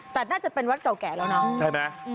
แต่น่าจะเป็นวัดเก่าแก่แล้วเนาะใช่ไหม